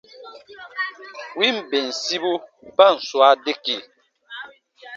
Win bensibu ba n swaa dakii.